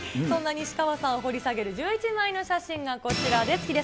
そんな西川さんを掘り下げる１１枚の写真がこちらです。